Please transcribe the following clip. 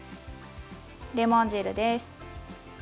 レモン汁です。